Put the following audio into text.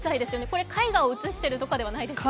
これ絵画を映してるとかではないですよね？